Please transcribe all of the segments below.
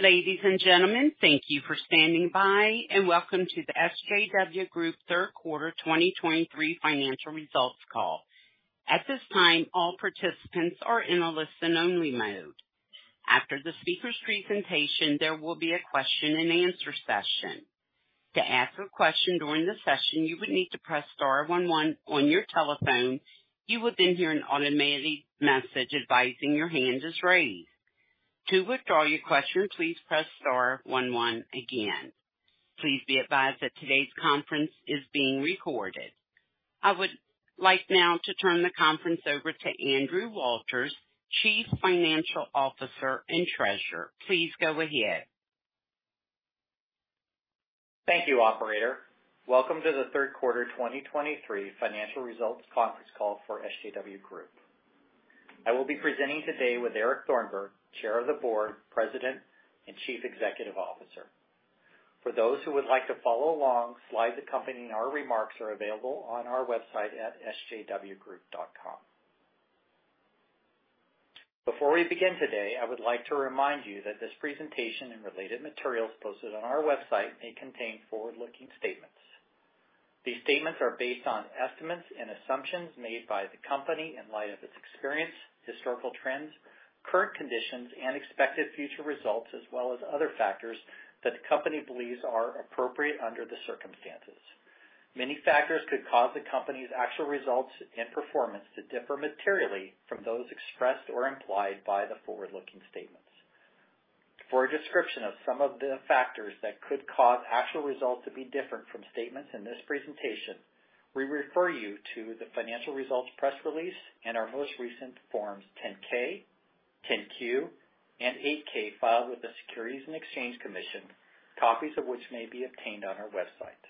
Ladies and gentlemen, thank you for standing by, and welcome to the SJW Group Third Quarter 2023 financial results call. At this time, all participants are in a listen-only mode. After the speaker's presentation, there will be a question-and-answer session. To ask a question during the session, you would need to press star one one on your telephone. You will then hear an automated message advising your hand is raised. To withdraw your question, please press star one one again. Please be advised that today's conference is being recorded. I would like now to turn the conference over to Andrew Walters, Chief Financial Officer and Treasurer. Please go ahead. Thank you, operator. Welcome to the third quarter 2023 financial results conference call for SJW Group. I will be presenting today with Eric Thornburg, Chair of the Board, President, and Chief Executive Officer. For those who would like to follow along, slides accompanying our remarks are available on our website at sjwgroup.com. Before we begin today, I would like to remind you that this presentation and related materials posted on our website may contain forward-looking statements. These statements are based on estimates and assumptions made by the company in light of its experience, historical trends, current conditions, and expected future results, as well as other factors that the company believes are appropriate under the circumstances. Many factors could cause the company's actual results and performance to differ materially from those expressed or implied by the forward-looking statements. For a description of some of the factors that could cause actual results to be different from statements in this presentation, we refer you to the financial results press release and our most recent Forms 10-K, 10-Q, and 8-K filed with the Securities and Exchange Commission, copies of which may be obtained on our website.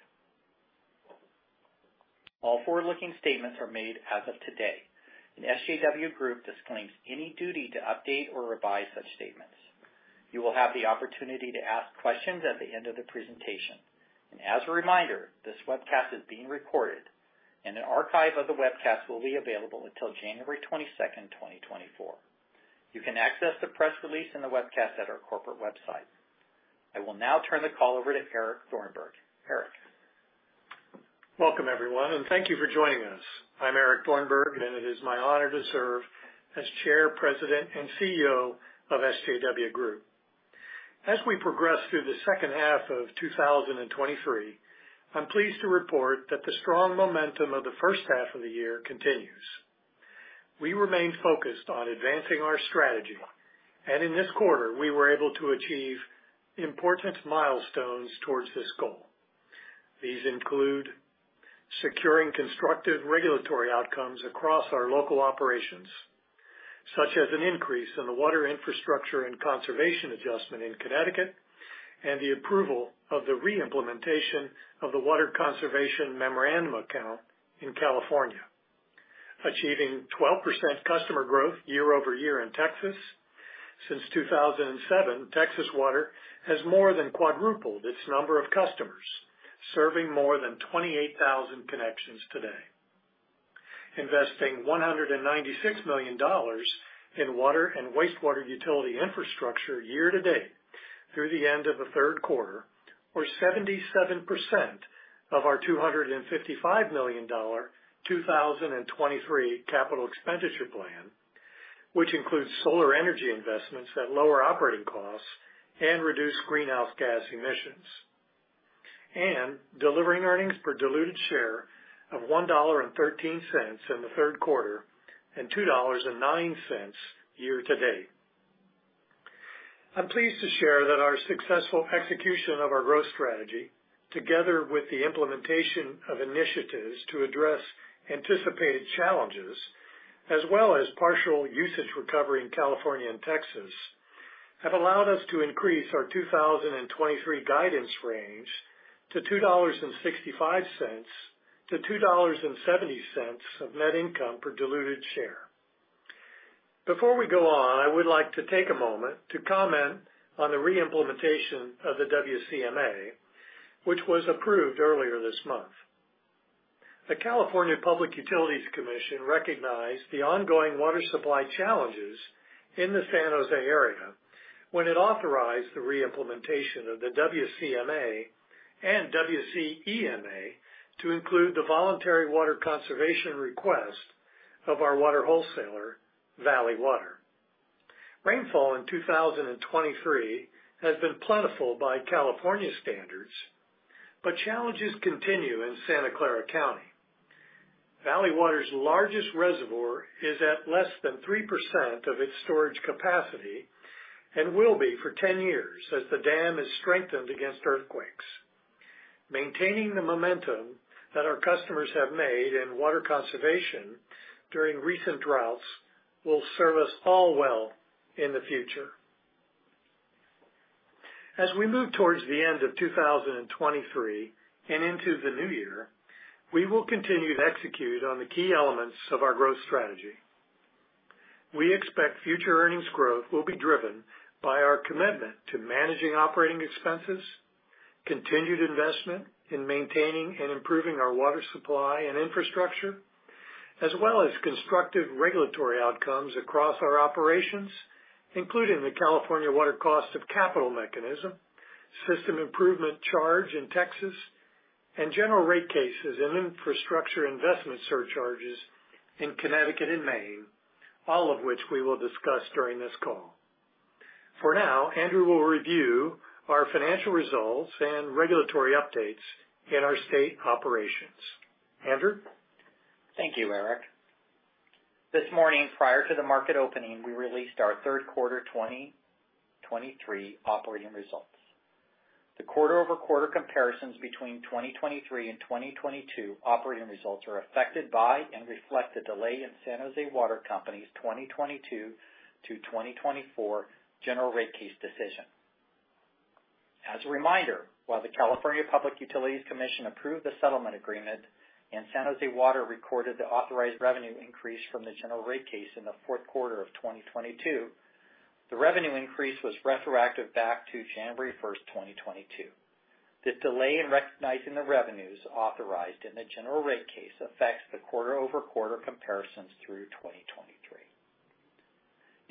All forward-looking statements are made as of today, and SJW Group disclaims any duty to update or revise such statements. You will have the opportunity to ask questions at the end of the presentation. As a reminder, this webcast is being recorded, and an archive of the webcast will be available until January 22, 2024. You can access the press release and the webcast at our corporate website. I will now turn the call over to Eric Thornburg. Eric? Welcome, everyone, and thank you for joining us. I'm Eric Thornburg, and it is my honor to serve as Chair, President, and CEO of SJW Group. As we progress through the second half of 2023, I'm pleased to report that the strong momentum of the first half of the year continues. We remain focused on advancing our strategy, and in this quarter, we were able to achieve important milestones towards this goal. These include securing constructive regulatory outcomes across our local operations, such as an increase in the Water Infrastructure and Conservation Adjustment in Connecticut, and the approval of the re-implementation of the Water Conservation Memorandum Account in California. Achieving 12% customer growth year-over-year in Texas. Since 2007, Texas Water has more than quadrupled its number of customers, serving more than 28,000 connections today. Investing $196 million in water and wastewater utility infrastructure year to date through the end of the third quarter, or 77% of our $255 million 2023 capital expenditure plan, which includes solar energy investments that lower operating costs and reduce greenhouse gas emissions. Delivering earnings per diluted share of $1.13 in the third quarter and $2.09 year to date. I'm pleased to share that our successful execution of our growth strategy, together with the implementation of initiatives to address anticipated challenges, as well as partial usage recovery in California and Texas, have allowed us to increase our 2023 guidance range to $2.65-$2.70 of net income per diluted share. Before we go on, I would like to take a moment to comment on the re-implementation of the WCMA, which was approved earlier this month. The California Public Utilities Commission recognized the ongoing water supply challenges in the San Jose area when it authorized the re-implementation of the WCMA and WCEMA to include the voluntary water conservation request of our water wholesaler, Valley Water. Rainfall in 2023 has been plentiful by California standards, but challenges continue in Santa Clara County. Valley Water's largest reservoir is at less than 3% of its storage capacity and will be for 10 years, as the dam is strengthened against earthquakes. Maintaining the momentum that our customers have made in water conservation during recent droughts will serve us all well in the future. As we move towards the end of 2023 and into the new year, we will continue to execute on the key elements of our growth strategy. We expect future earnings growth will be driven by our commitment to managing operating expenses, continued investment in maintaining and improving our water supply and infrastructure, as well as constructive regulatory outcomes across our operations, including the California Water Cost of Capital Mechanism, System Improvement Charge in Texas, and general rate cases and infrastructure investment surcharges in Connecticut and Maine, all of which we will discuss during this call. For now, Andrew will review our financial results and regulatory updates in our state operations. Andrew? Thank you, Eric. This morning, prior to the market opening, we released our third quarter 2023 operating results. The quarter-over-quarter comparisons between 2023 and 2022 operating results are affected by and reflect the delay in San Jose Water Company's 2022-2024 general rate case decision. As a reminder, while the California Public Utilities Commission approved the settlement agreement and San Jose Water recorded the authorized revenue increase from the general rate case in the fourth quarter of 2022, the revenue increase was retroactive back to January 1st, 2022. This delay in recognizing the revenues authorized in the general rate case affects the quarter-over-quarter comparisons through 2023.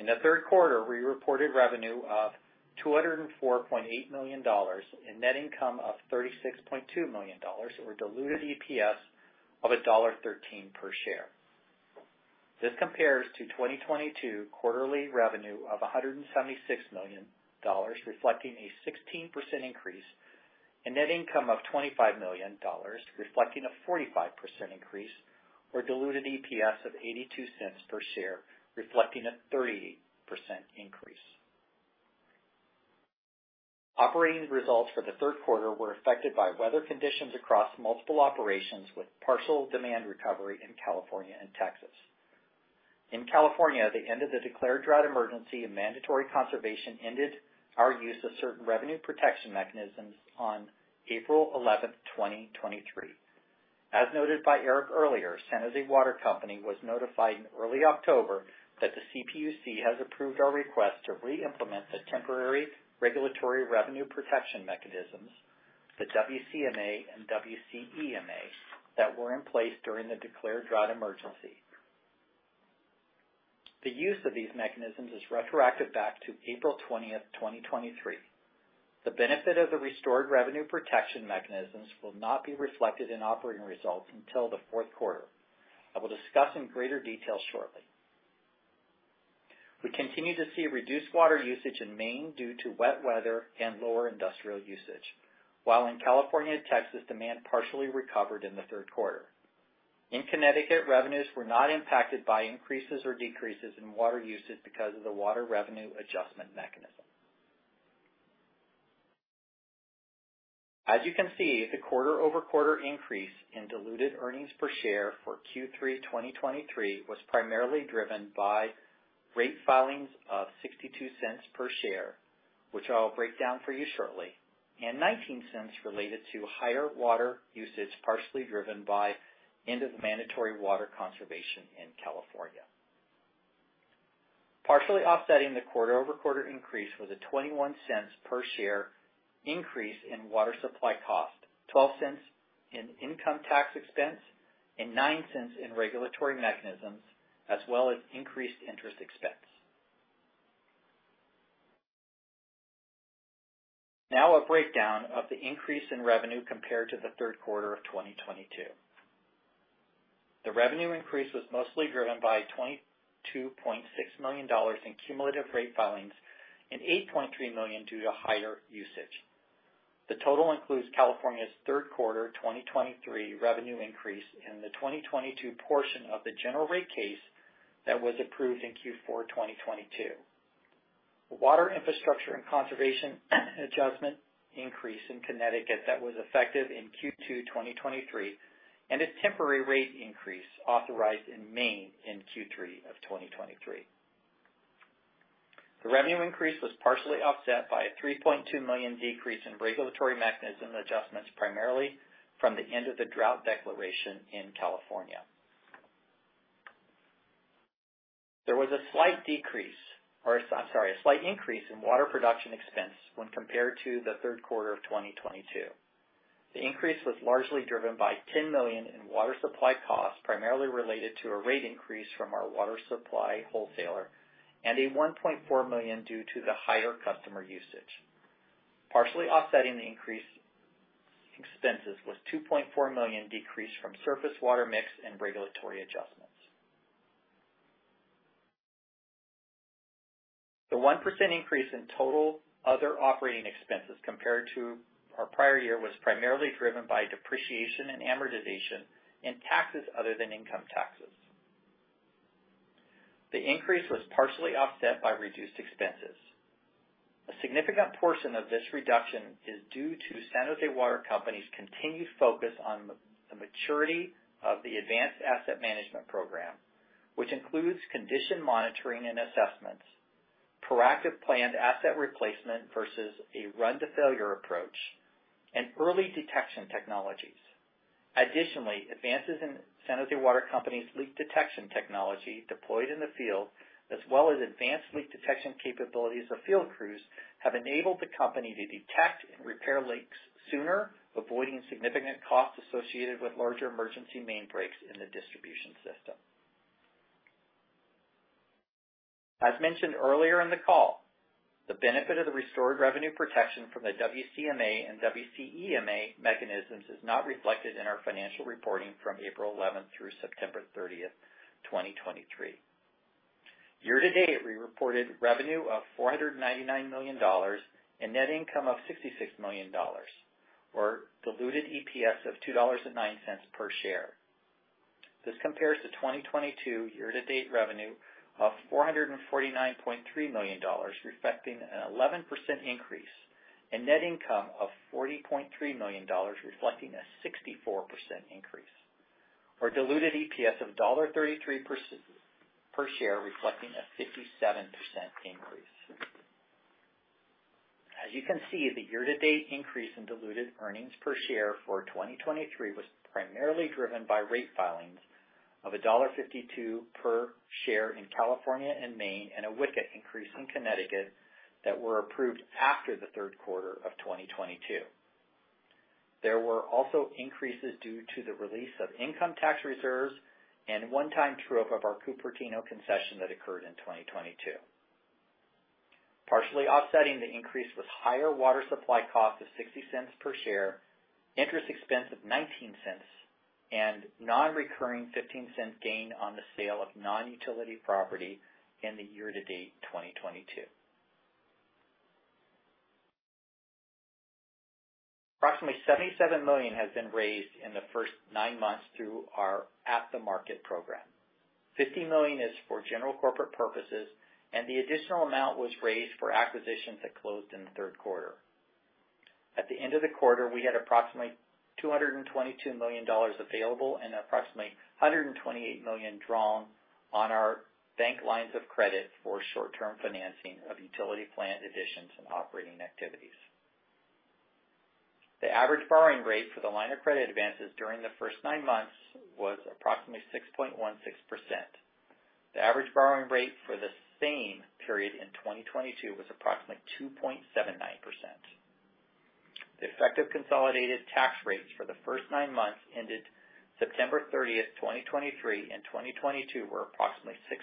In the third quarter, we reported revenue of $204.8 million and net income of $36.2 million, or diluted EPS of $1.13 per share. This compares to 2022 quarterly revenue of $176 million, reflecting a 16% increase, and net income of $25 million, reflecting a 45% increase, or diluted EPS of $0.82 per share, reflecting a 30% increase. Operating results for the third quarter were affected by weather conditions across multiple operations, with partial demand recovery in California and Texas. In California, the end of the declared drought emergency and mandatory conservation ended our use of certain revenue protection mechanisms on April 11th, 2023. As noted by Eric earlier, San Jose Water Company was notified in early October that the CPUC has approved our request to re-implement the temporary regulatory revenue protection mechanisms, the WCMA and WCEMA, that were in place during the declared drought emergency. The use of these mechanisms is retroactive back to April 20th, 2023. The benefit of the restored revenue protection mechanisms will not be reflected in operating results until the fourth quarter. I will discuss in greater detail shortly. We continue to see reduced water usage in Maine due to wet weather and lower industrial usage, while in California and Texas, demand partially recovered in the third quarter. In Connecticut, revenues were not impacted by increases or decreases in water usage because of the Water Revenue Adjustment Mechanism. As you can see, the quarter-over-quarter increase in diluted earnings per share for Q3 2023 was primarily driven by rate filings of $0.62 per share, which I'll break down for you shortly, and $0.19 related to higher water usage, partially driven by end of the mandatory water conservation in California. Partially offsetting the quarter-over-quarter increase was a $0.21 cents per share increase in water supply cost, $0.12 cents in income tax expense, and $0.09 cents in regulatory mechanisms, as well as increased interest expense. Now, a breakdown of the increase in revenue compared to the third quarter of 2022. The revenue increase was mostly driven by $22.6 million in cumulative rate filings and $8.3 million due to higher usage. The total includes California's third quarter 2023 revenue increase in the 2022 portion of the general rate case that was approved in Q4 2022. The Water Infrastructure and Conservation Adjustment increase in Connecticut that was effective in Q2 2023, and a temporary rate increase authorized in Maine in Q3 of 2023. The revenue increase was partially offset by a $3.2 million decrease in regulatory mechanism adjustments, primarily from the end of the drought declaration in California. There was a slight decrease, or I'm sorry, a slight increase in water production expense when compared to the third quarter of 2022. The increase was largely driven by $10 million in water supply costs, primarily related to a rate increase from our water supply wholesaler and a $1.4 million due to the higher customer usage. Partially offsetting the increase expenses was $2.4 million decrease from surface water mix and regulatory adjustments. The 1% increase in total other operating expenses compared to our prior year was primarily driven by depreciation and amortization and taxes other than income taxes. The increase was partially offset by reduced expenses. A significant portion of this reduction is due to San Jose Water Company's continued focus on the maturity of the Advanced Asset Management program, which includes condition monitoring and assessments, proactive planned asset replacement versus a run-to-failure approach, and early detection technologies. Additionally, advances in San Jose Water Company's leak detection technology deployed in the field, as well as advanced leak detection capabilities of field crews, have enabled the company to detect and repair leaks sooner, avoiding significant costs associated with larger emergency main breaks in the distribution system. As mentioned earlier in the call, the benefit of the restored revenue protection from the WCMA and WCEMA mechanisms is not reflected in our financial reporting from April 11 through September 30th, 2023. Year-to-date, we reported revenue of $499 million and net income of $66 million, or diluted EPS of $2.09 per share. This compares to 2022 year-to-date revenue of $449.3 million, reflecting an 11% increase, and net income of $40.3 million, reflecting a 64% increase, or diluted EPS of $1.33 per share, reflecting a 57% increase. As you can see, the year-to-date increase in diluted earnings per share for 2023 was primarily driven by rate filings of $1.52 per share in California and Maine, and a WICA increase in Connecticut that were approved after the third quarter of 2022. There were also increases due to the release of income tax reserves and a one-time true-up of our Cupertino concession that occurred in 2022. Partially offsetting the increase was higher water supply cost of $0.60 per share, interest expense of $0.19, and non-recurring $0.15 gain on the sale of non-utility property in the year-to-date 2022. Approximately $77 million has been raised in the first nine months through our at-the-market program. $50 million is for general corporate purposes, and the additional amount was raised for acquisitions that closed in the third quarter. At the end of the quarter, we had approximately $222 million available and approximately $128 million drawn on our bank lines of credit for short-term financing of utility plant additions and operating activities. The average borrowing rate for the line of credit advances during the first 9 months was approximately 6.16%. The average borrowing rate for the same period in 2022 was approximately 2.79%. The effective consolidated tax rates for the first nine months ended September 30th, 2023 and 2022, were approximately 6%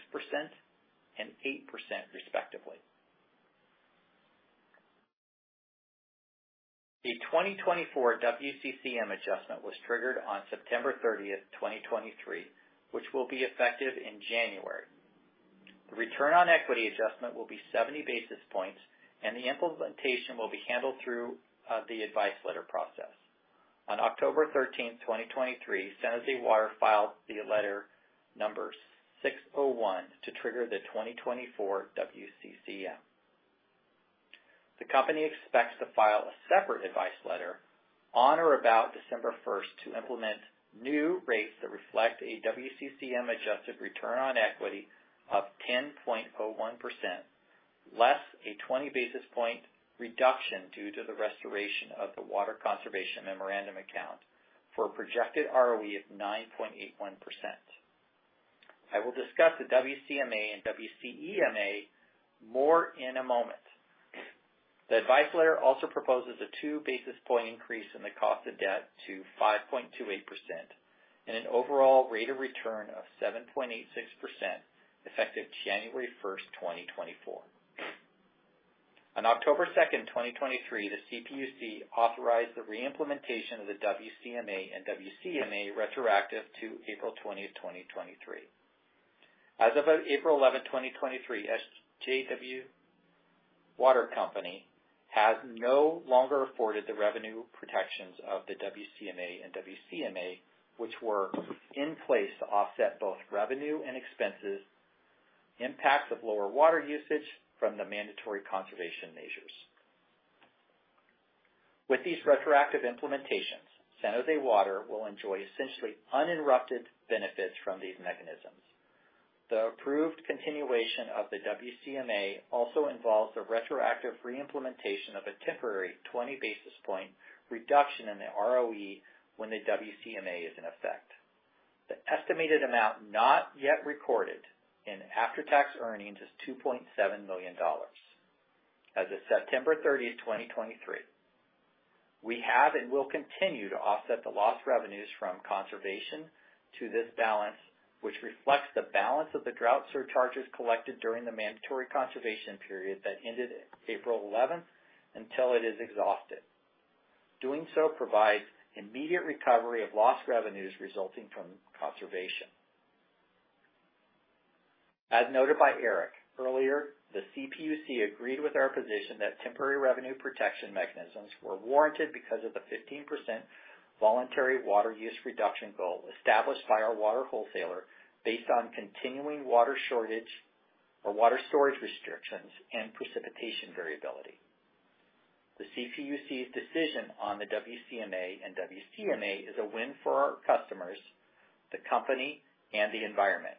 and 8% respectively. The 2024 WCCM adjustment was triggered on September 30th, 2023, which will be effective in January. The return on equity adjustment will be 70 basis points, and the implementation will be handled through the advice letter process. On October 13th, 2023, San Jose Water filed the letter number 601 to trigger the 2024 WCCM. The company expects to file a separate advice letter on or about December 1st to implement new rates that reflect a WCCM adjusted return on equity of 10.01%, less a 20 basis point reduction due to the restoration of the Water Conservation Memorandum Account for a projected ROE of 9.81%. I will discuss the WCMA and WCEMA more in a moment. The advice letter also proposes a 2 basis point increase in the cost of debt to 5.28% and an overall rate of return of 7.86%, effective January 1st, 2024. On October 2nd, 2023, the CPUC authorized the re-implementation of the WCMA and WCEMA, retroactive to April 20, 2023. As of April 11, 2023, San Jose Water Company has no longer afforded the revenue protections of the WCMA and WCEMA, which were in place to offset both revenue and expense impacts of lower water usage from the mandatory conservation measures. With these retroactive implementations, San Jose Water will enjoy essentially uninterrupted benefits from these mechanisms. The approved continuation of the WCMA also involves a retroactive re-implementation of a temporary 20 basis point reduction in the ROE when the WCMA is in effect. The estimated amount not yet recorded in after-tax earnings is $2.7 million. As of September 30th, 2023, we have and will continue to offset the lost revenues from conservation to this balance, which reflects the balance of the drought surcharges collected during the mandatory conservation period that ended April 11th, until it is exhausted. Doing so provides immediate recovery of lost revenues resulting from conservation. As noted by Eric earlier, the CPUC agreed with our position that temporary revenue protection mechanisms were warranted because of the 15% voluntary water use reduction goal established by our water wholesaler, based on continuing water shortage or water storage restrictions and precipitation variability. The CPUC's decision on the WCMA and WCEMA is a win for our customers, the company, and the environment.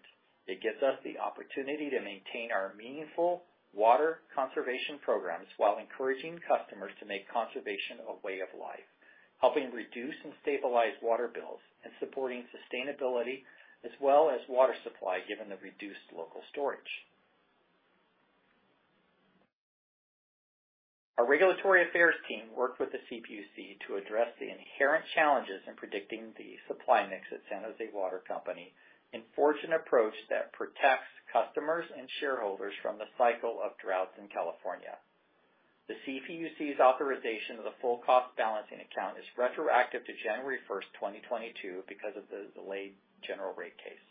It gives us the opportunity to maintain our meaningful water conservation programs while encouraging customers to make conservation a way of life, helping reduce and stabilize water bills and supporting sustainability, as well as water supply, given the reduced local storage.... Our regulatory affairs team worked with the CPUC to address the inherent challenges in predicting the supply mix at San Jose Water Company and forge an approach that protects customers and shareholders from the cycle of droughts in California. The CPUC's authorization of the Full Cost Balancing Account is retroactive to January 1st, 2022, because of the delayed General Rate Case.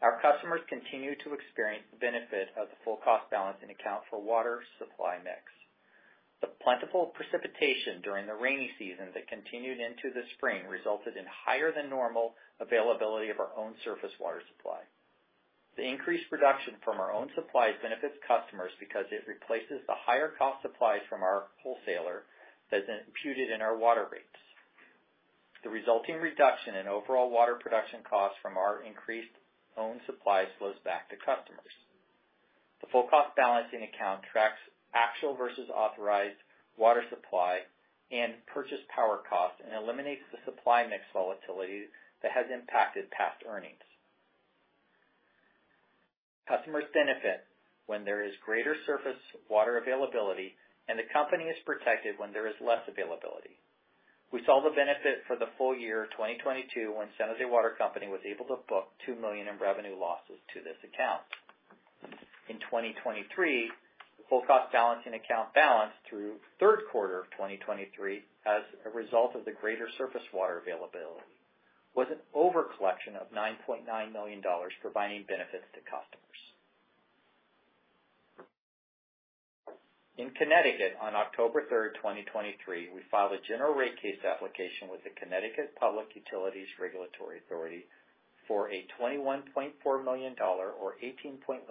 Our customers continue to experience the benefit of the Full Cost Balancing Account for water supply mix. The plentiful precipitation during the rainy season that continued into the spring, resulted in higher than normal availability of our own surface water supply. The increased production from our own supplies benefits customers because it replaces the higher cost supplies from our wholesaler that is imputed in our water rates. The resulting reduction in overall water production costs from our increased own supply flows back to customers. The Full Cost Balancing Account tracks actual versus authorized water supply and purchase power costs, and eliminates the supply mix volatility that has impacted past earnings. Customers benefit when there is greater surface water availability, and the company is protected when there is less availability. We saw the benefit for the full year 2022, when San Jose Water Company was able to book $2 million in revenue losses to this account. In 2023, the Full Cost Balancing Account balance through third quarter of 2023, as a result of the greater surface water availability, was an overcollection of $9.9 million, providing benefits to customers. In Connecticut, on October 3rd, 2023, we filed a General Rate Case application with the Connecticut Public Utilities Regulatory Authority for a $21.4 million or 18.1%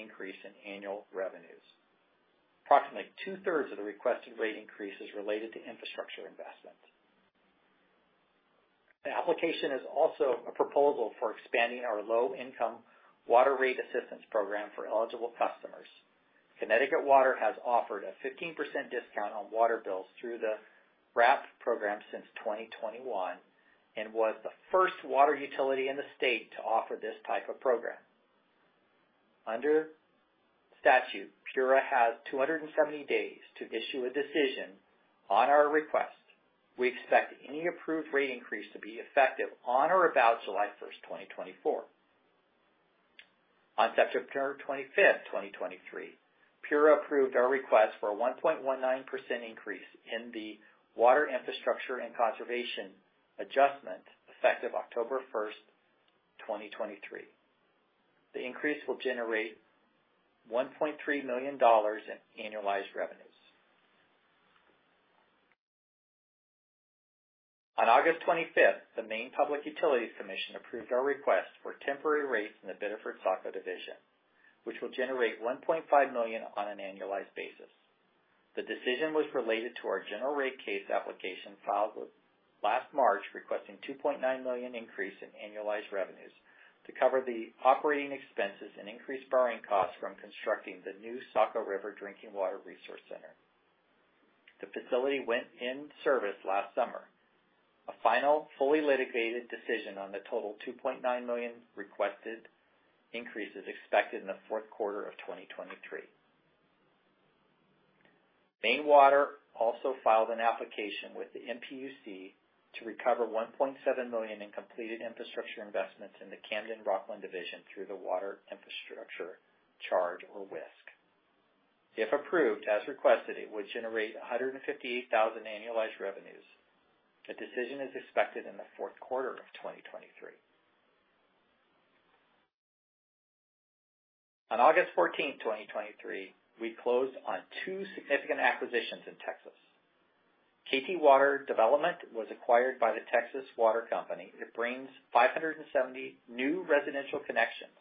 increase in annual revenues. Approximately two-thirds of the requested rate increase is related to infrastructure investments. The application is also a proposal for expanding our low-income water rate assistance program for eligible customers. Connecticut Water has offered a 15% discount on water bills through the WRAP program since 2021, and was the first water utility in the state to offer this type of program. Under statute, PURA has 270 days to issue a decision on our request. We expect any approved rate increase to be effective on or about July 1, 2024. On September 25, 2023, PURA approved our request for a 1.19% increase in the Water Infrastructure and Conservation Adjustment, effective October 1st, 2023. The increase will generate $1.3 million in annualized revenues. On August 25th, the Maine Public Utilities Commission approved our request for temporary rates in the Biddeford Saco division, which will generate $1.5 million on an annualized basis. The decision was related to our general rate case application, filed last March, requesting $2.9 million increase in annualized revenues to cover the operating expenses and increased borrowing costs from constructing the new Saco River Drinking Water Resource Center. The facility went in service last summer. A final, fully litigated decision on the total $2.9 million requested increase is expected in the fourth quarter of 2023. Maine Water also filed an application with the MPUC to recover $1.7 million in completed infrastructure investments in the Camden Rockland Division through the Water Infrastructure Charge, or WISC. If approved, as requested, it would generate $158,000 annualized revenues. The decision is expected in the fourth quarter of 2023. On August 14th, 2023, we closed on two significant acquisitions in Texas. KT Water Development was acquired by the Texas Water Company. It brings 570 new residential connections.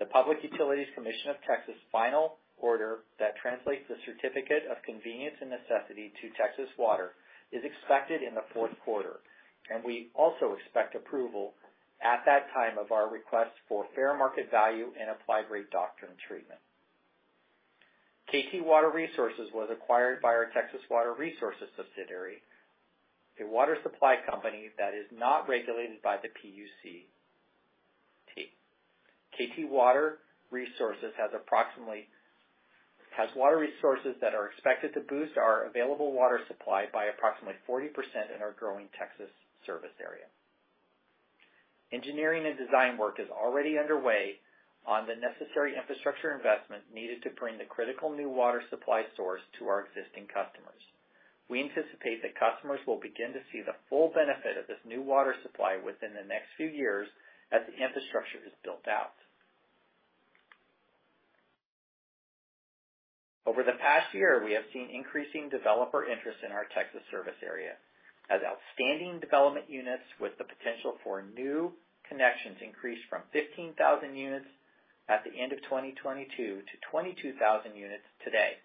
The Public Utility Commission of Texas' final order that translates the certificate of convenience and necessity to Texas Water is expected in the fourth quarter, and we also expect approval at that time of our request for fair market value and applied rate doctrine treatment. KT Water Resources was acquired by our Texas Water Resources subsidiary, a water supply company that is not regulated by the PUC. KT Water Resources has water resources that are expected to boost our available water supply by approximately 40% in our growing Texas service area. Engineering and design work is already underway on the necessary infrastructure investments needed to bring the critical new water supply source to our existing customers. We anticipate that customers will begin to see the full benefit of this new water supply within the next few years as the infrastructure is built out. Over the past year, we have seen increasing developer interest in our Texas service area, as outstanding development units with the potential for new connections increased from 15,000 units at the end of 2022 to 22,000 units today.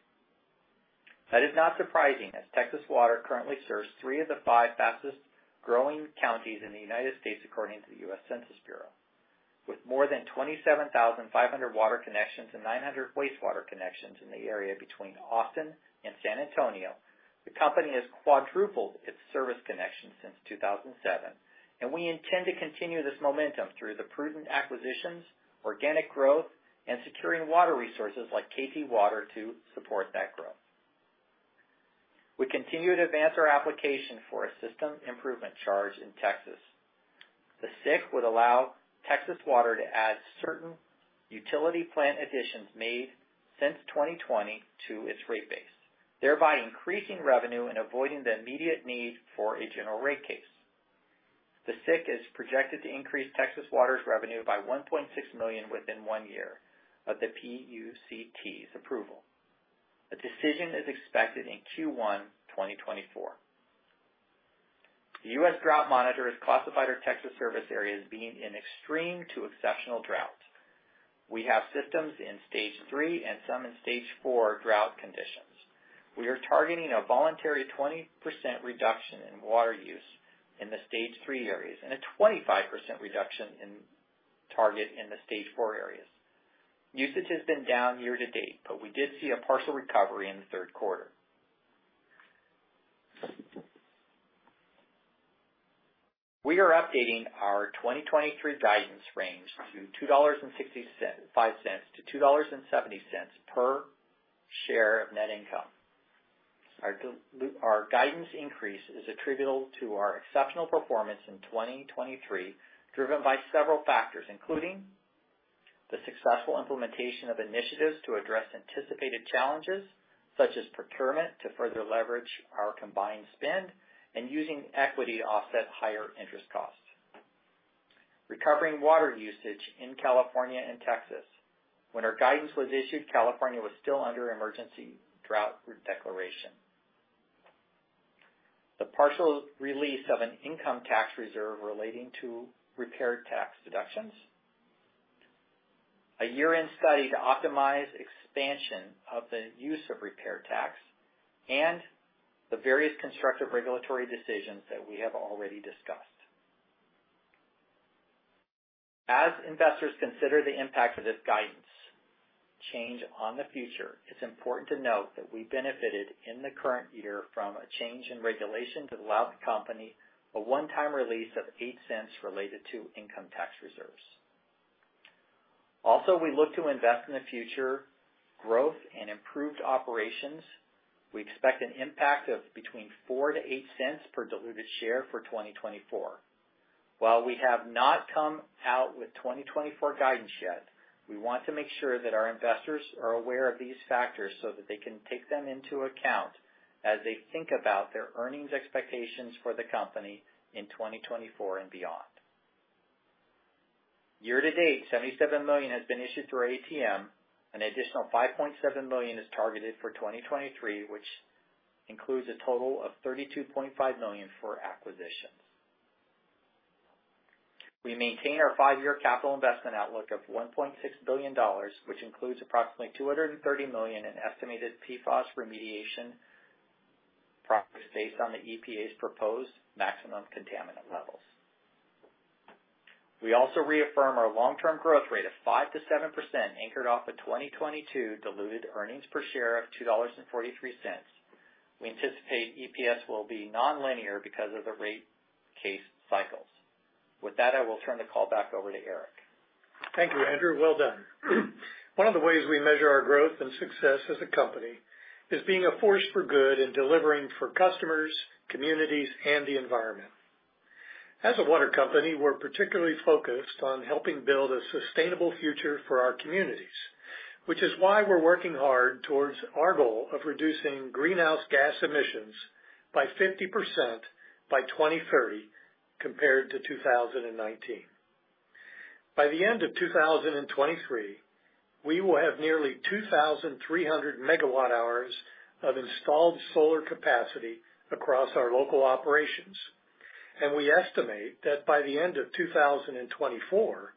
That is not surprising, as Texas Water currently serves three of the five fastest-growing counties in the United States, according to the U.S. Census Bureau. With more than 27,500 water connections and 900 wastewater connections in the area between Austin and San Antonio. The company has quadrupled its service connection since 2007, and we intend to continue this momentum through the prudent acquisitions, organic growth, and securing water resources like KT Water to support that growth. We continue to advance our application for a System Improvement Charge in Texas. The SIC would allow Texas Water to add certain utility plant additions made since 2020 to its rate base, thereby increasing revenue and avoiding the immediate need for a general rate case. The SIC is projected to increase Texas Water's revenue by $1.6 million within one year of the PUCT's approval. A decision is expected in Q1 2024. The U.S. Drought Monitor has classified our Texas service areas being in extreme to exceptional drought. We have systems in stage three and some in stage four drought conditions. We are targeting a voluntary 20% reduction in water use in the stage three areas, and a 25% reduction in target in the stage four areas. Usage has been down year to date, but we did see a partial recovery in the third quarter. We are updating our 2023 guidance range to $2.65-$2.70 per share of net income. Our our guidance increase is attributable to our exceptional performance in 2023, driven by several factors, including the successful implementation of initiatives to address anticipated challenges, such as procurement, to further leverage our combined spend and using equity to offset higher interest costs. Recovering water usage in California and Texas. When our guidance was issued, California was still under emergency drought declaration. The partial release of an income tax reserve relating to repair tax deductions, a year-end study to optimize expansion of the use of repair tax, and the various constructive regulatory decisions that we have already discussed. As investors consider the impact of this guidance change on the future, it's important to note that we benefited in the current year from a change in regulation that allowed the company a one-time release of $0.08 related to income tax reserves. Also, we look to invest in the future growth and improved operations. We expect an impact of between $0.04-$0.08 per diluted share for 2024. While we have not come out with 2024 guidance yet, we want to make sure that our investors are aware of these factors so that they can take them into account as they think about their earnings expectations for the company in 2024 and beyond. Year to date, $77 million has been issued through ATM. An additional $5.7 million is targeted for 2023, which includes a total of $32.5 million for acquisitions. We maintain our five-year capital investment outlook of $1.6 billion, which includes approximately $230 million in estimated PFAS remediation costs, based on the EPA's proposed maximum contaminant levels. We also reaffirm our long-term growth rate of 5%-7%, anchored off a 2022 diluted earnings per share of $2.43. We anticipate EPS will be nonlinear because of the rate case cycles. With that, I will turn the call back over to Eric. Thank you, Andrew. Well done. One of the ways we measure our growth and success as a company is being a force for good in delivering for customers, communities, and the environment. As a water company, we're particularly focused on helping build a sustainable future for our communities, which is why we're working hard towards our goal of reducing greenhouse gas emissions by 50% by 2030, compared to 2019. By the end of 2023, we will have nearly 2,300 MWh of installed solar capacity across our local operations, and we estimate that by the end of 2024,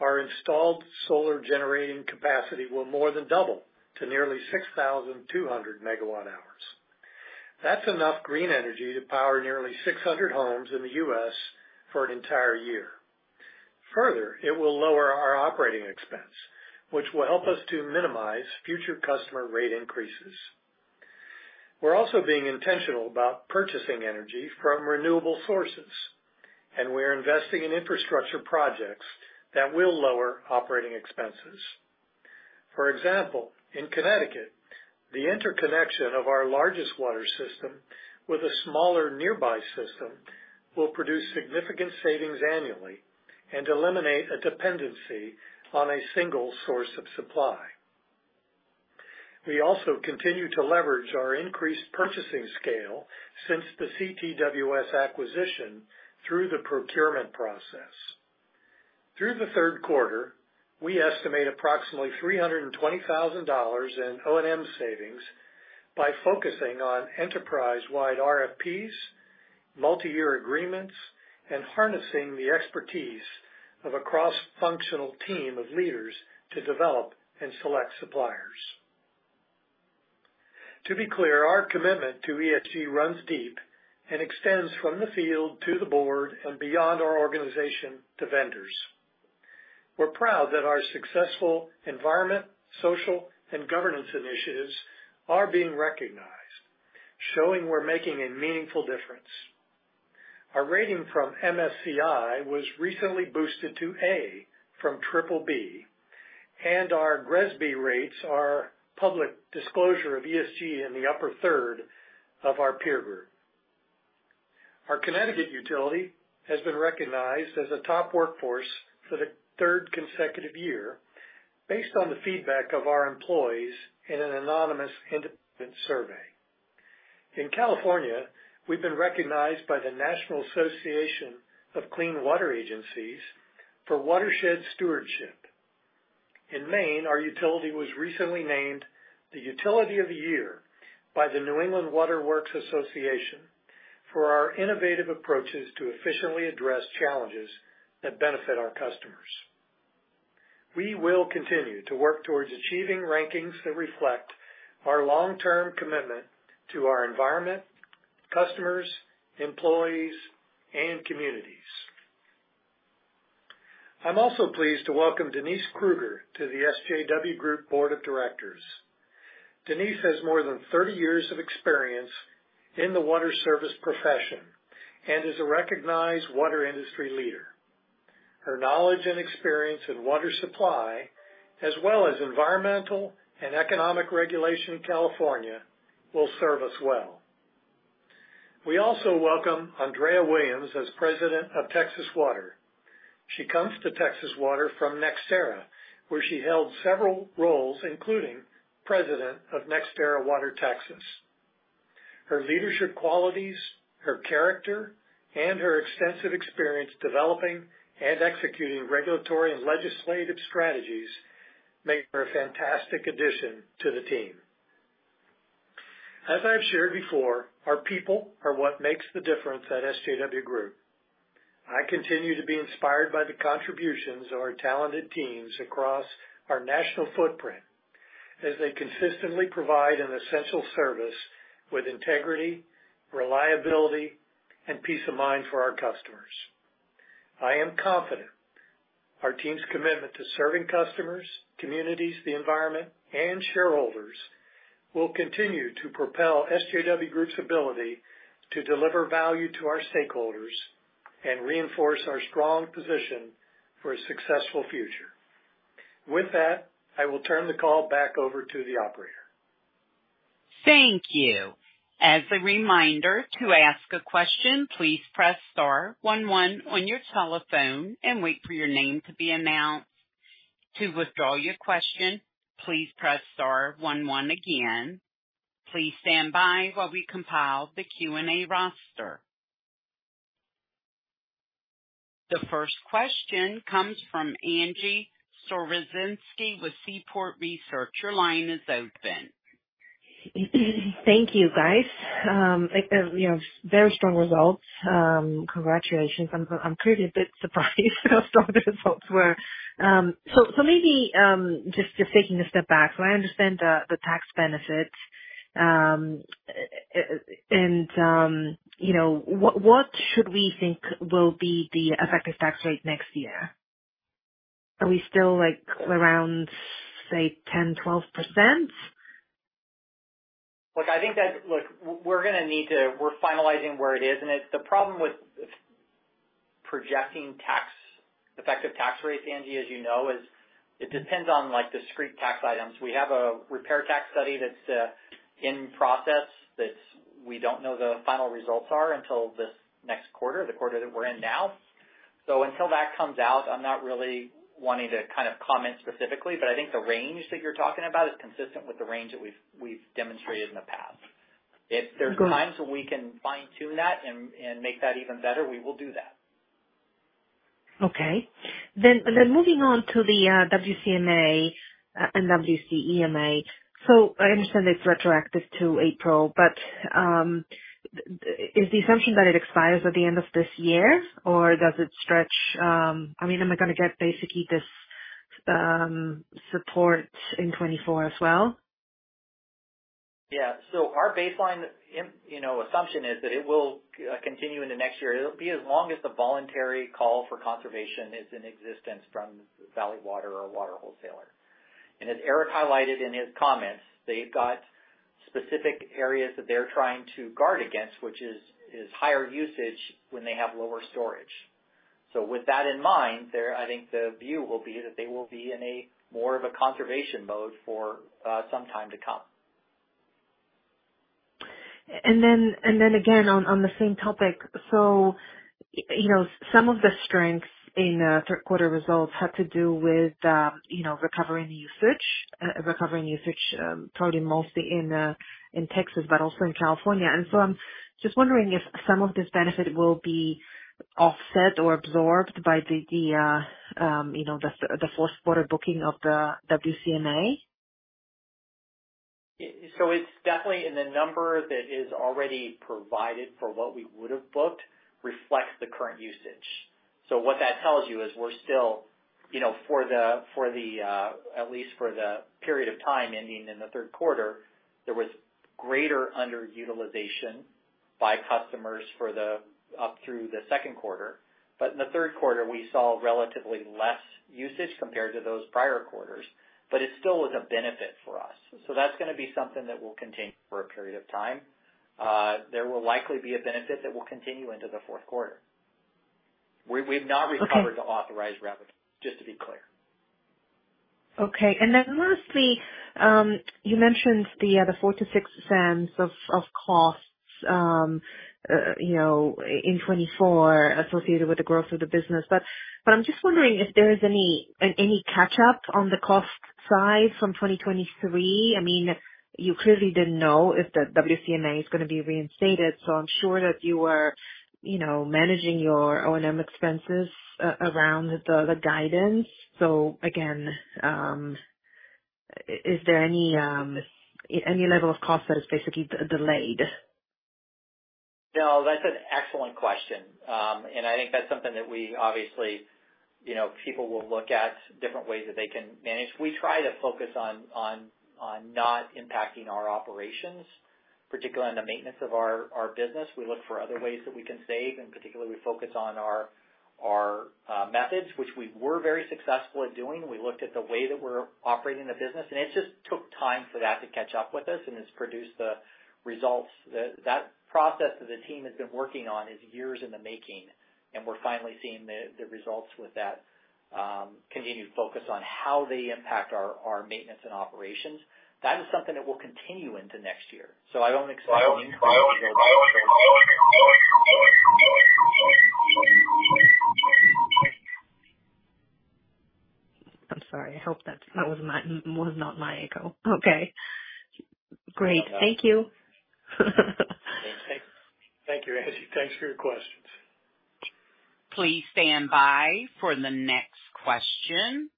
our installed solar generating capacity will more than double to nearly 6,200 MWh. That's enough green energy to power nearly 600 homes in the U.S. for an entire year. Further, it will lower our operating expense, which will help us to minimize future customer rate increases. We're also being intentional about purchasing energy from renewable sources, and we're investing in infrastructure projects that will lower operating expenses. For example, in Connecticut, the interconnection of our largest water system with a smaller nearby system will produce significant savings annually and eliminate a dependency on a single source of supply. We also continue to leverage our increased purchasing scale since the CTWS acquisition through the procurement process. Through the third quarter, we estimate approximately $320,000 in O&M savings by focusing on enterprise-wide RFPs, multi-year agreements, and harnessing the expertise of a cross-functional team of leaders to develop and select suppliers. To be clear, our commitment to ESG runs deep and extends from the field to the board and beyond our organization to vendors. We're proud that our successful environmental, social, and governance initiatives are being recognized, showing we're making a meaningful difference. Our rating from MSCI was recently boosted to A from triple B, and our GRESB rates are public disclosure of ESG in the upper third of our peer group. Our Connecticut utility has been recognized as a top workplace for the third consecutive year based on the feedback of our employees in an anonymous independent survey. In California, we've been recognized by the National Association of Clean Water Agencies for Watershed Stewardship. In Maine, our utility was recently named the Utility of the Year by the New England Water Works Association for our innovative approaches to efficiently address challenges that benefit our customers. We will continue to work towards achieving rankings that reflect our long-term commitment to our environment, customers, employees, and communities. I'm also pleased to welcome Denise Kruger to the SJW Group Board of Directors. Denise has more than 30 years of experience in the water service profession and is a recognized water industry leader. Her knowledge and experience in water supply, as well as environmental and economic regulation in California, will serve us well. We also welcome Aundrea Williams as President of Texas Water. She comes to Texas Water from NextEra, where she held several roles, including President of NextEra Water Texas. Her leadership qualities, her character, and her extensive experience developing and executing regulatory and legislative strategies make her a fantastic addition to the team. As I've shared before, our people are what makes the difference at SJW Group. I continue to be inspired by the contributions of our talented teams across our national footprint, as they consistently provide an essential service with integrity, reliability, and peace of mind for our customers. I am confident our team's commitment to serving customers, communities, the environment, and shareholders will continue to propel SJW Group's ability to deliver value to our stakeholders and reinforce our strong position for a successful future. With that, I will turn the call back over to the operator. Thank you. As a reminder, to ask a question, please press star one one on your telephone and wait for your name to be announced. To withdraw your question, please press star one one again. Please stand by while we compile the Q&A roster. The first question comes from Angie Storozynski with Seaport Research. Your line is open. Thank you, guys. Like, you know, very strong results. Congratulations. I'm clearly a bit surprised how strong the results were. So maybe, just taking a step back. So I understand the tax benefits. And, you know, what should we think will be the effective tax rate next year? Are we still, like, around, say, 10%, 12%? Look, I think that we're gonna need to finalize where it is, and the problem with projecting tax effective tax rates, Angie, as you know, is it depends on, like, discrete tax items. We have a repair tax study that's in process, we don't know the final results are until this next quarter, the quarter that we're in now. So until that comes out, I'm not really wanting to kind of comment specifically, but I think the range that you're talking about is consistent with the range that we've demonstrated in the past. Got it. If there's times when we can fine-tune that and make that even better, we will do that. Okay. Then moving on to the WCMA and WCEMA. So I understand it's retroactive to April, but is the assumption that it expires at the end of this year, or does it stretch? I mean, am I gonna get basically this support in 2024 as well? Yeah. So our baseline, you know, assumption is that it will continue into next year. It'll be as long as the voluntary call for conservation is in existence from Valley Water or water wholesaler. And as Eric highlighted in his comments, they've got specific areas that they're trying to guard against, which is higher usage when they have lower storage. So with that in mind, there, I think the view will be that they will be in a more of a conservation mode for some time to come. And then, and then again, on, on the same topic. So, you know, some of the strengths in, third quarter results had to do with, you know, recovering the usage, recovering usage, probably mostly in, in Texas, but also in California. And so I'm just wondering if some of this benefit will be offset or absorbed by the, the, you know, the, the fourth quarter booking of the WCMA. So it's definitely in the number that is already provided for what we would have booked reflects the current usage. So what that tells you is we're still, you know, for the, at least for the period of time ending in the third quarter, there was greater underutilization by customers for the, up through the second quarter. But in the third quarter, we saw relatively less usage compared to those prior quarters, but it still was a benefit for us. So that's going to be something that will continue for a period of time. There will likely be a benefit that will continue into the fourth quarter. We've not recovered- Okay. The authorized revenue, just to be clear. Okay. And then lastly, you mentioned the 4-6 cents of costs, you know, in 2024 associated with the growth of the business. But I'm just wondering if there is any catch up on the cost side from 2023. I mean, you clearly didn't know if the WCMA is going to be reinstated, so I'm sure that you are, you know, managing your O&M expenses around the guidance. So again, is there any level of cost that is basically delayed? No, that's an excellent question. I think that's something that we obviously, you know, people will look at different ways that they can manage. We try to focus on not impacting our operations, particularly on the maintenance of our business. We look for other ways that we can save, and particularly we focus on our methods, which we were very successful at doing. We looked at the way that we're operating the business, and it just took time for that to catch up with us and it's produced the results. That process that the team has been working on is years in the making, and we're finally seeing the results with that, continued focus on how they impact our maintenance and operations. That is something that will continue into next year, so I don't expect- I'm sorry. I hope that was not my echo. Okay, great. Thank you. Thank you, Angie. Thanks for your questions. Please stand by for the next question.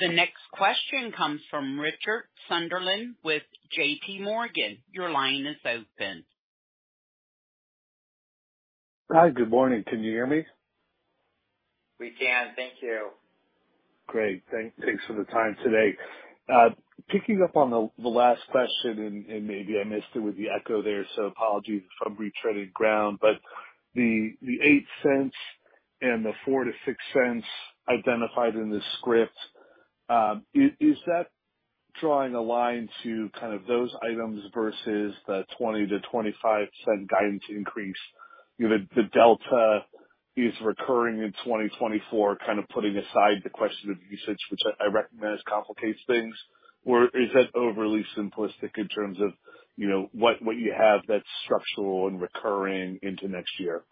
The next question comes from Richard Sunderland with JP Morgan. Your line is open. Hi, good morning. Can you hear me? We can. Thank you. Great. Thanks for the time today. Picking up on the last question, and maybe I missed it with the echo there, so apologies if I'm retreading ground, but the eight cents and the four to six cents identified in the script, is that drawing a line to kind of those items versus the twenty to twenty-five cent guidance increase? You know, the delta is recurring in 2024, kind of putting aside the question of usage, which I recognize complicates things. Or is that overly simplistic in terms of, you know, what you have that's structural and recurring into next year?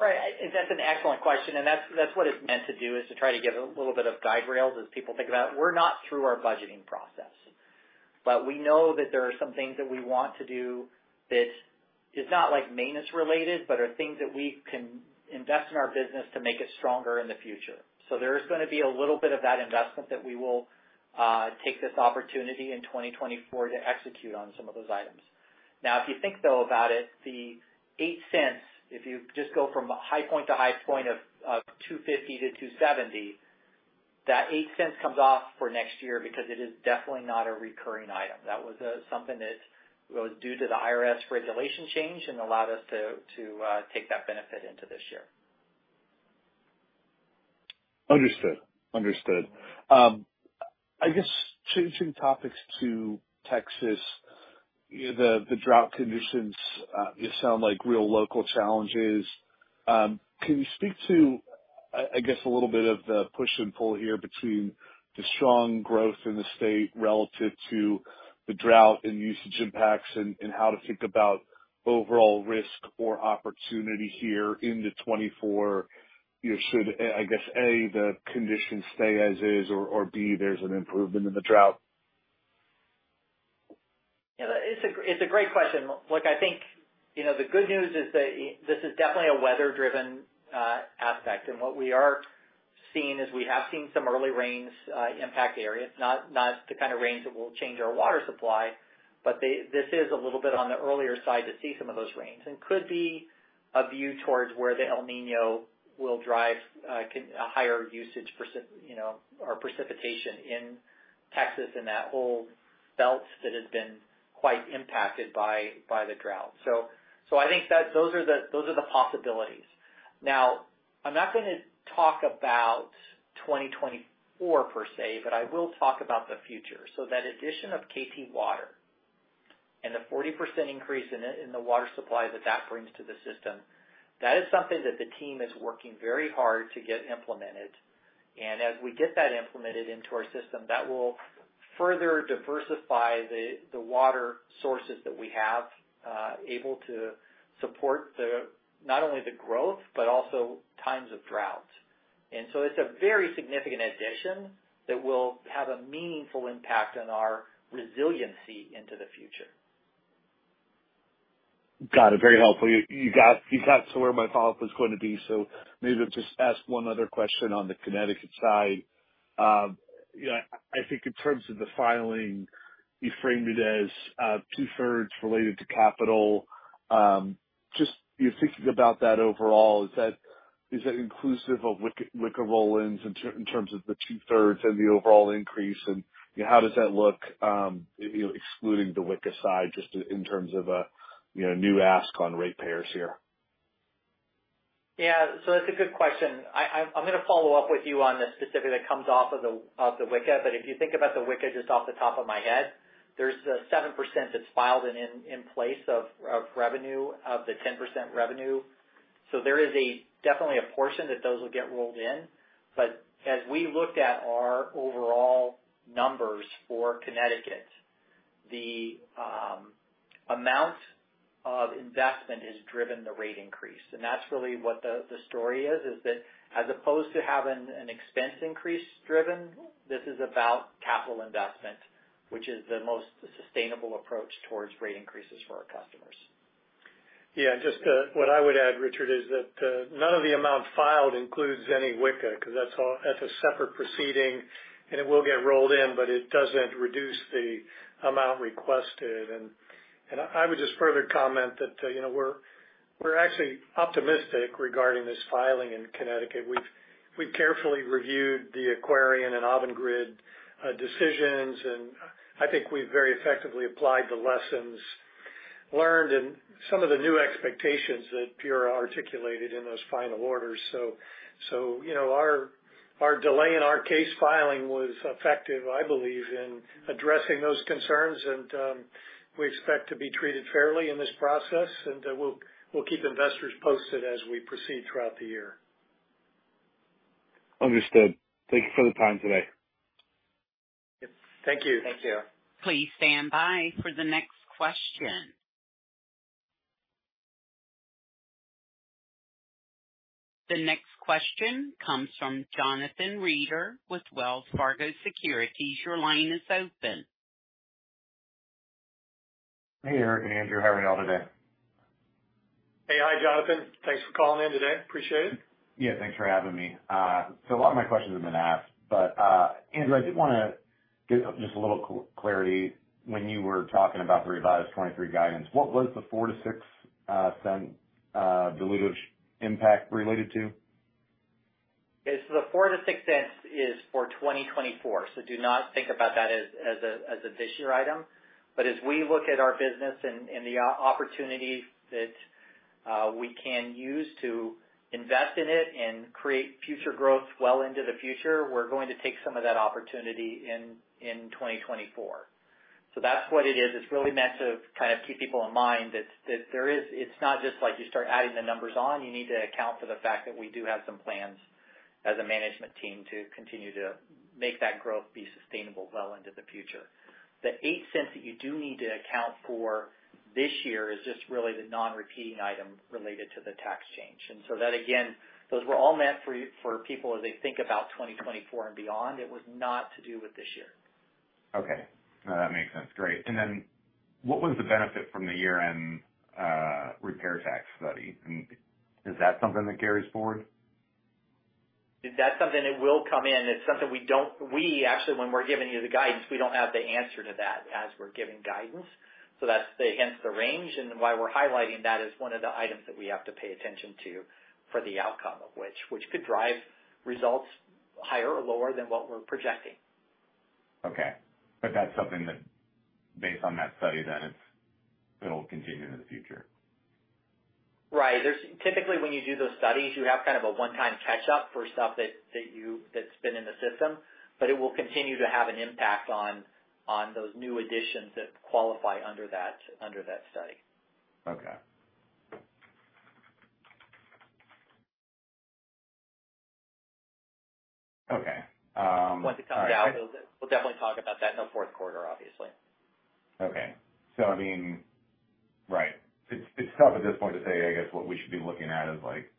Right. That's an excellent question, and that's, that's what it's meant to do, is to try to give a little bit of guide rails as people think about it. We're not through our budgeting process, but we know that there are some things that we want to do that is not like maintenance related, but are things that we can invest in our business to make it stronger in the future. So there is going to be a little bit of that investment that we will take this opportunity in 2024 to execute on some of those items. Now, if you think, though, about it, the $0.08, if you just go from a high point to high point of $2.50-$2.70, that $0.08 comes off for next year because it is definitely not a recurring item. That was something that was due to the IRS regulation change and allowed us to take that benefit into this year. Understood. Understood. I guess changing topics to Texas, the drought conditions sound like real local challenges. Can you speak to, I guess, a little bit of the push and pull here between the strong growth in the state relative to the drought and usage impacts, and how to think about overall risk or opportunity here into 2024? You know, should, I guess, A, the conditions stay as is, or B, there's an improvement in the drought? Yeah, it's a great, it's a great question. Look, I think, you know, the good news is that this is definitely a weather-driven aspect. And what we are seeing is we have seen some early rains impact areas, not, not the kind of rains that will change our water supply, but they... This is a little bit on the earlier side to see some of those rains, and could be a view towards where the El Niño will drive a higher usage, preci- you know, or precipitation in Texas and that whole belt that has been quite impacted by the drought. So, so I think that those are the, those are the possibilities. Now, I'm not going to talk about 2024 per se, but I will talk about the future. So that addition of KT Water and the 40% increase in the water supply that that brings to the system, that is something that the team is working very hard to get implemented. And as we get that implemented into our system, that will further diversify the water sources that we have able to support the, not only the growth, but also times of drought. And so it's a very significant addition that will have a meaningful impact on our resiliency into the future. Got it. Very helpful. You got to where my follow-up was going to be, so maybe I'll just ask one other question on the Connecticut side. You know, I think in terms of the filing, you framed it as two-thirds related to capital. Just your thinking about that overall, is that inclusive of WICA roll-ins in terms of the two-thirds and the overall increase? And how does that look, you know, excluding the WICA side, just in terms of a new ask on ratepayers here? Yeah. So that's a good question. I, I'm gonna follow up with you on this specific that comes off of the, of the WICA. But if you think about the WICA, just off the top of my head, there's the 7% that's filed and in, in place of, of revenue, of the 10% revenue. So there is definitely a portion that those will get rolled in. But as we looked at our overall numbers for Connecticut, the amount of investment has driven the rate increase. And that's really what the, the story is, is that as opposed to having an expense increase driven, this is about capital investment, which is the most sustainable approach towards rate increases for our customers. Yeah, just what I would add, Richard, is that none of the amount filed includes any WICA, because that's all, that's a separate proceeding, and it will get rolled in, but it doesn't reduce the amount requested. And I would just further comment that, you know, we're actually optimistic regarding this filing in Connecticut. We've carefully reviewed the Aquarion and Avangrid decisions, and I think we've very effectively applied the lessons learned and some of the new expectations that PURA articulated in those final orders. So, you know, our delay in our case filing was effective, I believe, in addressing those concerns, and we expect to be treated fairly in this process, and we'll keep investors posted as we proceed throughout the year. Understood. Thank you for the time today. Thank you. Thank you. Please stand by for the next question. The next question comes from Jonathan Reeder with Wells Fargo Securities. Your line is open. Hey, Eric and Andrew. How are you all today? Hey. Hi, Jonathan. Thanks for calling in today. Appreciate it. Yeah, thanks for having me. So a lot of my questions have been asked, but, Andrew, I did want to get just a little clarity. When you were talking about the revised 2023 guidance, what was the $0.04-$0.06 dilutive impact related to? Okay, so the $0.04-$0.06 is for 2024, so do not tnk about that as a this year item. But as we look at our business and the opportunities that we can use to invest in it and create future growth well into the future, we're going to take some of that opportunity in 2024. So that's what it is. It's really meant to kind of keep people in mind that there is. It's not just like you start adding the numbers on. You need to account for the fact that we do have some plans as a management team to continue to make that growth be sustainable well into the future. The $0.08 that you do need to account for this year is just really the non-repeating item related to the tax change. And so that, again, those were all meant for people as they think about 2024 and beyond. It was not to do with this year. Okay. No, that makes sense. Great. And then what was the benefit from the year-end, repair tax study? And is that something that carries forward? That's something that will come in. It's something we actually, when we're giving you the guidance, we don't have the answer to that as we're giving guidance. So that's against the range and why we're highlighting that is one of the items that we have to pay attention to for the outcome of which, which could drive results higher or lower than what we're projecting. Okay. But that's something that, based on that study, then it's, it'll continue in the future? Right. There's typically, when you do those studies, you have kind of a one-time catch-up for stuff that's been in the system, but it will continue to have an impact on those new additions that qualify under that study. Okay. Um- Once it comes out, we'll definitely talk about that in the fourth quarter, obviously. Okay. So I mean... Right. It's tough at this point to say. I guess what we should be looking at is like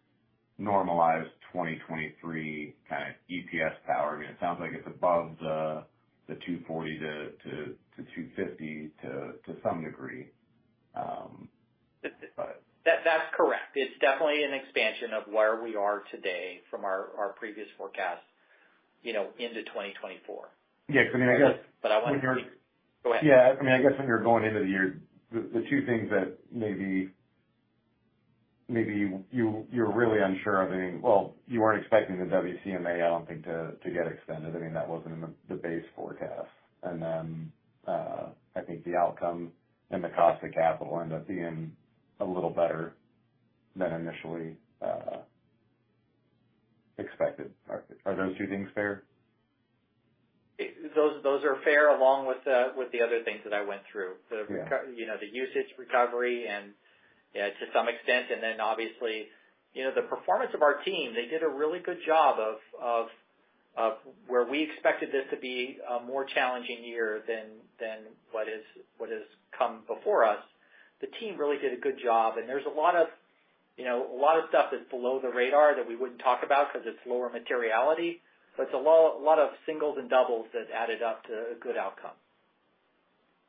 normalized 2023 kind of EPS power. I mean, it sounds like it's above the $2.40-$2.50 to some degree, but- That, that's correct. It's definitely an expansion of where we are today from our previous forecast, you know, into 2024. Yeah, I mean, I guess- But I want to... Go ahead. Yeah. I mean, I guess when you're going into the year, the two things that maybe you're really unsure of—well, you weren't expecting the WCMA, I don't think, to get extended. I mean, that wasn't in the base forecast. And then, I think the outcome and the cost of capital end up being a little better than initially expected. Are those two things fair? Those are fair, along with the other things that I went through. Yeah. You know, the usage recovery and, yeah, to some extent, and then obviously, you know, the performance of our team. They did a really good job of where we expected this to be a more challenging year than what has come before us. The team really did a good job, and there's a lot of, you know, a lot of stuff that's below the radar that we wouldn't talk about because it's lower materiality, but it's a lot of singles and doubles that added up to a good outcome.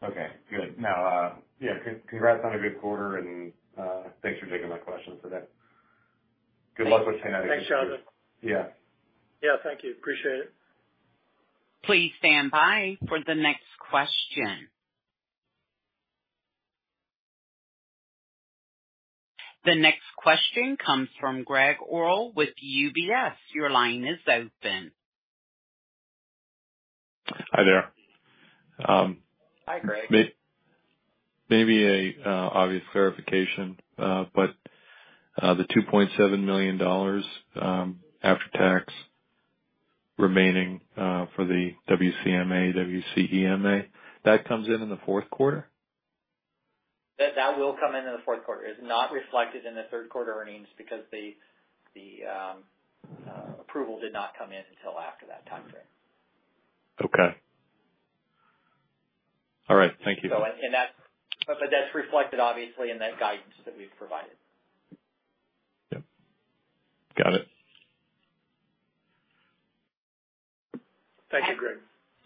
Okay, good. Now, yeah, congrats on a good quarter, and thanks for taking my questions today. Good luck with Connecticut. Thanks, Jonathan. Yeah. Yeah, thank you. Appreciate it. Please stand by for the next question. The next question comes from Gregg Orrill with UBS. Your line is open. Hi there. Hi, Greg. Maybe an obvious clarification, but the $2.7 million after tax remaining for the WCMA, WCEMA, that comes in in the fourth quarter? That will come in the fourth quarter. It's not reflected in the third quarter earnings because the approval did not come in until after that time frame. Okay. All right. Thank you. So, that's... But that's reflected obviously in that guidance that we've provided. Yep. Got it. Thank you, Greg.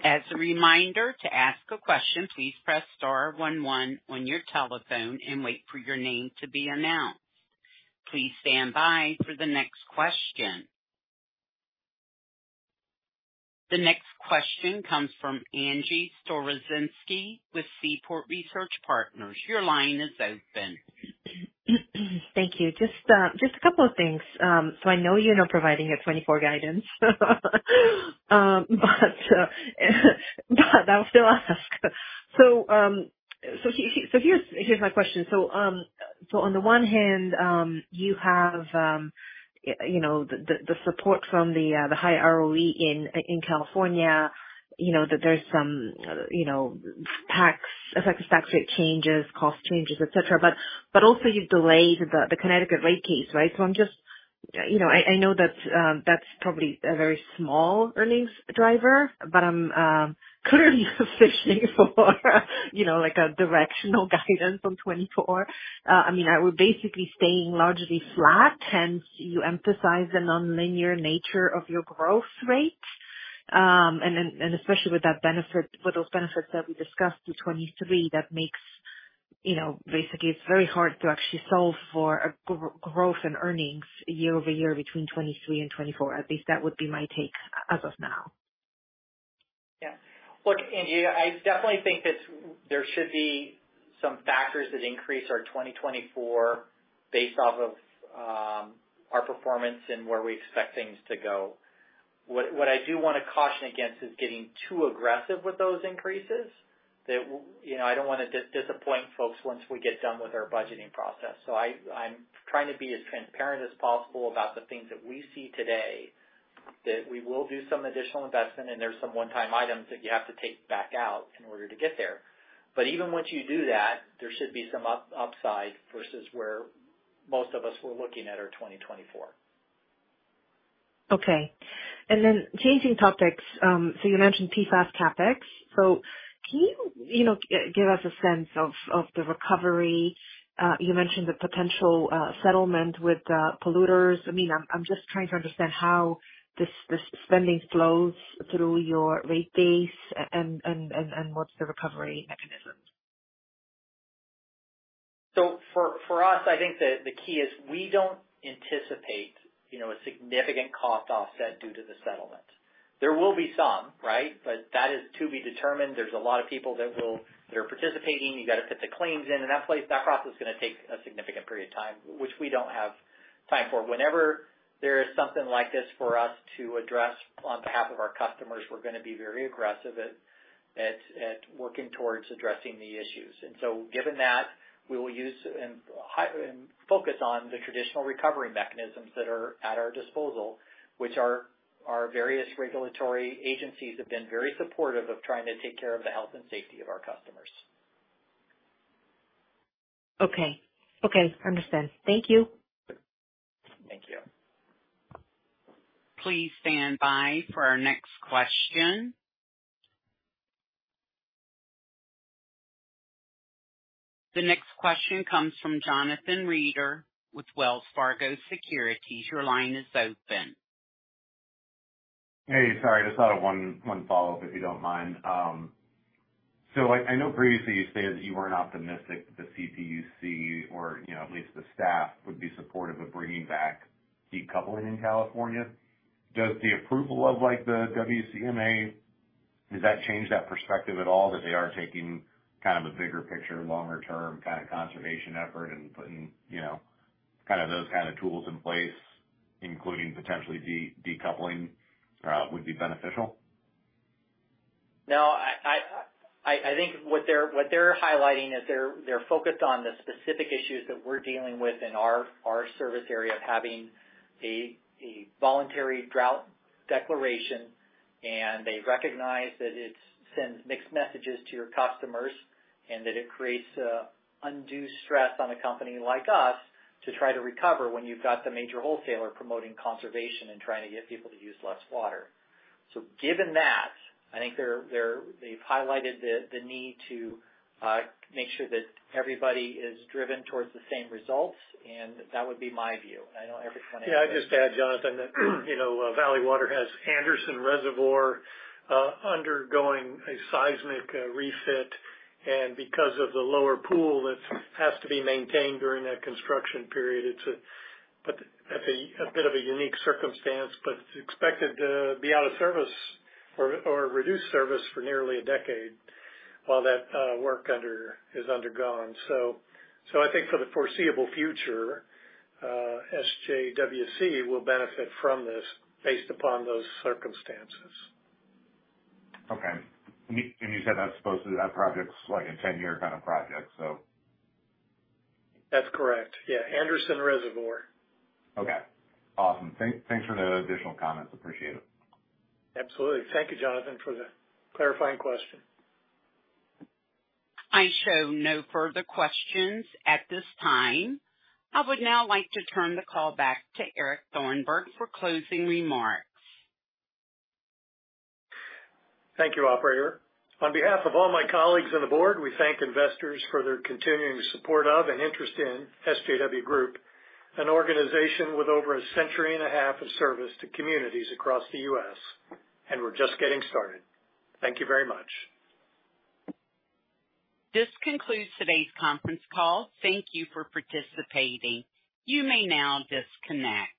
As a reminder, to ask a question, please press star one one on your telephone and wait for your name to be announced. Please stand by for the next question. The next question comes from Angie Storozynski with Seaport Research Partners. Your line is open. Thank you. Just a couple of things. So I know you're not providing a 2024 guidance, but I'll still ask. So, here's my question. So, on the one hand, you have, you know, the support from the high ROE in California. You know that there's some, you know, tax, effective tax rate changes, cost changes, et cetera. But also you've delayed the Connecticut rate case, right? So I'm just, you know, I know that that's probably a very small earnings driver, but I'm clearly fishing for, you know, like a directional guidance on 2024. I mean, we're basically staying largely flat, hence you emphasize the nonlinear nature of your growth rate. And then, and especially with that benefit, with those benefits that we discussed through 2023, that makes, you know, basically it's very hard to actually solve for a growth in earnings year-over-year between 2023 and 2024. At least that would be my take as of now. Yeah. Look, Angie, I definitely think that there should be some factors that increase our 2024 based off of our performance and where we expect things to go. What, what I do want to caution against is getting too aggressive with those increases. That, you know, I don't want to disappoint folks once we get done with our budgeting process. So I, I'm trying to be as transparent as possible about the things that we see today, that we will do some additional investment, and there's some one-time items that you have to take back out in order to get there. But even once you do that, there should be some upside versus where most of us were looking at our 2024. Okay. And then changing topics. So you mentioned PFAS CapEx. So can you, you know, give us a sense of the recovery? You mentioned the potential settlement with polluters. I mean, I'm just trying to understand how this spending flows through your rate base and what's the recovery mechanism? So for us, I think the key is we don't anticipate, you know, a significant cost offset due to the settlement. There will be some, right? But that is to be determined. There's a lot of people that are participating. You got to put the claims in, and that's why that process is going to take a significant period of time, which we don't have time for. Whenever there is something like this for us to address on behalf of our customers, we're going to be very aggressive at working towards addressing the issues. And so given that, we will use and highly focus on the traditional recovery mechanisms that are at our disposal. Our various regulatory agencies have been very supportive of trying to take care of the health and safety of our customers. Okay. Okay. Understand. Thank you. Thank you. Please stand by for our next question. The next question comes from Jonathan Reeder, with Wells Fargo Securities. Your line is open. Hey, sorry, I just thought of one follow-up, if you don't mind. So I know previously you said that you weren't optimistic that the CPUC or, you know, at least the staff, would be supportive of bringing back decoupling in California. Does the approval of like the WCMA, does that change that perspective at all, that they are taking kind of a bigger picture, longer-term kind of conservation effort and putting, you know, kind of those kind of tools in place, including potentially decoupling, would be beneficial? No, I think what they're highlighting is they're focused on the specific issues that we're dealing with in our service area of having a voluntary drought declaration, and they recognize that it sends mixed messages to your customers and that it creates an undue stress on a company like us to try to recover when you've got the major wholesaler promoting conservation and trying to get people to use less water. So given that, I think they've highlighted the need to make sure that everybody is driven towards the same results, and that would be my view. I know everyone- Yeah. I'd just add, Jonathan, that, you know, Valley Water has Anderson Reservoir undergoing a seismic refit, and because of the lower pool that has to be maintained during that construction period, it's a bit of a unique circumstance, but it's expected to be out of service or reduced service for nearly a decade while that work is undergone. So I think for the foreseeable future, SJWC will benefit from this based upon those circumstances. Okay. And you said that's supposed to, that project's like a 10-year kind of project, so. That's correct. Yeah. Anderson Reservoir. Okay, awesome. Thanks for the additional comments. Appreciate it. Absolutely. Thank you, Jonathan, for the clarifying question. I show no further questions at this time. I would now like to turn the call back to Eric Thornburg for closing remarks. Thank you, Operator. On behalf of all my colleagues on the board, we thank investors for their continuing support of and interest in SJW Group, an organization with over a century and a half of service to communities across the U.S., and we're just getting started. Thank you very much. This concludes today's conference call. Thank you for participating. You may now disconnect.